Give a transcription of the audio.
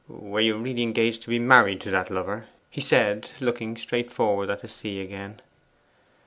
'Were you really engaged to be married to that lover?' he said, looking straight forward at the sea again.